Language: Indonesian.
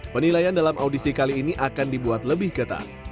penilaian dalam audisi kali ini akan dibuat lebih ketat